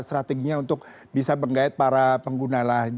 strateginya untuk bisa menggait para pengguna lah